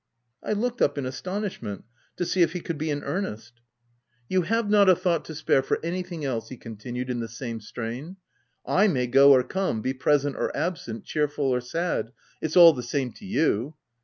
I looked up in astonishment, to see if he could be in earnest. OF WILDPELL HALL. 153 " You have not a thought to spare for any thing else" he continued in the same strain :" I may go or come, be present or absent, cheerful or sad ; it's all the same to you.